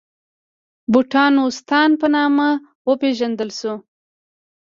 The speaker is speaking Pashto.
د بانټوستان په نامه وپېژندل شوې.